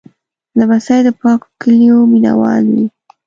لمسی د پاکو کالیو مینهوال وي.